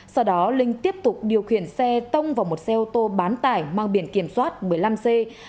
sau đó linh tiếp tục điều khiển xe tông vào một xe ô tô bán tải mang biển kiểm soát một mươi năm c hai mươi tám nghìn năm trăm bốn mươi